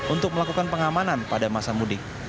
untuk melakukan pengamanan pada masa mudik